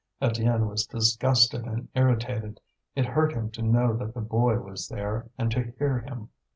Étienne was disgusted and irritated; it hurt him to know that the boy was there and to hear him.